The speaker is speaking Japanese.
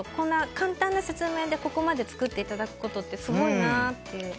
簡単な説明でここまで作っていただくことってすごいなと。